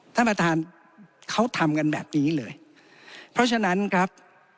ท่านประธานเขาทำกันแบบนี้เลยเพราะฉะนั้นครับ